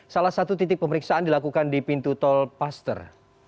salah satu titik pemeriksaan dilakukan di pintu tol paster